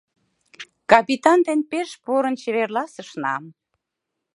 Капитан дене пеш порын чеверласышна.